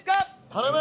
頼む！